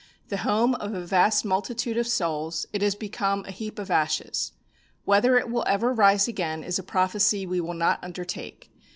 The home of a vast multitude of souls, it has become a heap of ashes. Whether it will ever rise again is a prophecy we will not undertake.